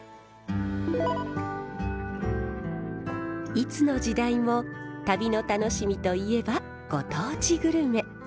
いつの時代も旅の楽しみといえばご当地グルメ。